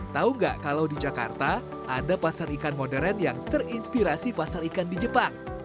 tahu nggak kalau di jakarta ada pasar ikan modern yang terinspirasi pasar ikan di jepang